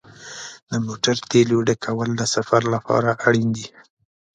د موټر تیلو ډکول د سفر لپاره اړین دي.